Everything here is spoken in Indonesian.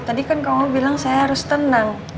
tadi kan kamu bilang saya harus tenang